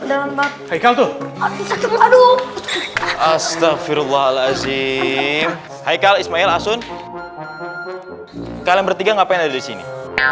hai dalam bab hai kalau tuh aduh astaghfirullahaladzim hai ismail asun kalian bertiga ngapain ada di sini